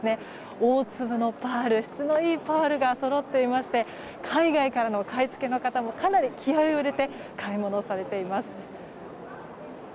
大粒のパール、質のいいパールがそろっていまして海外からの買い付けの方もかなり気合を入れて買い物をされています。